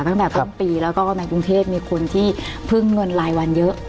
ตั้งแต่ต้นปีแล้วก็ในกรุงเทพมีคนที่พึ่งเงินรายวันเยอะ